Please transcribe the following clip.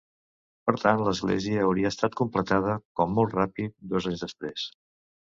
Per tant, l'església hauria estat completada, com molt ràpid, dos anys després.